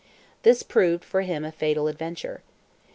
This proved for him a fatal adventure.